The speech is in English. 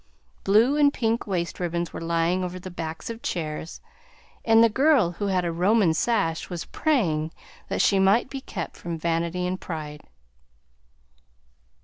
Blue and pink waist ribbons were lying over the backs of chairs, and the girl who had a Roman sash was praying that she might be kept from vanity and pride.